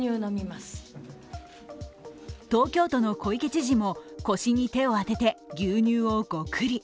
東京都の小池知事も腰に手を当てて牛乳をゴクリ。